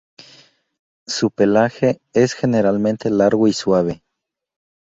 Su pelaje es generalmente largo y suave.